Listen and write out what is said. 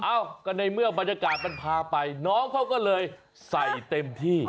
เอ้าก็ในเมื่อบรรยากาศมันพาไปน้องเขาก็เลยใส่เต็มที่